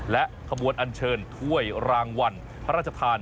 และขบวนอันเชิญถ้วยรางวัลพระราชทาน